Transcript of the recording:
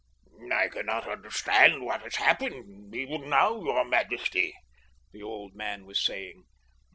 "I cannot understand what has happened, even now, your majesty," the old man was saying.